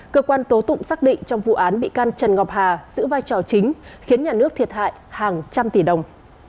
cơ quan tố tụng xác định trong vụ án bị can trần ngọc hà giữ vai trò chính khiến nhà nước thiệt hại hàng trăm tỷ đồng